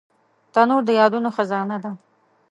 تنور د یادونو خزانه ده